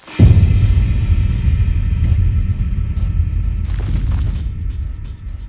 ตอนที่สุดมันกลายเป็นสิ่งที่ไม่มีความคิดว่า